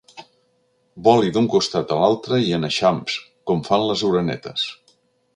Voli d'un costat a l'altre i en eixams, com fan les orenetes.